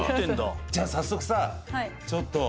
じゃあ早速さちょっと。